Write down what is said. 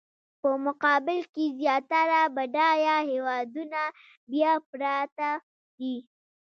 په مقابل کې زیاتره بډایه هېوادونه بیا پراته دي.